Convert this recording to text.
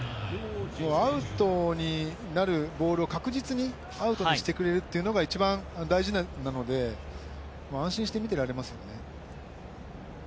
アウトになるボールを確実にアウトにしてくれるっていうのが一番大事なので、安心して見てられますよね。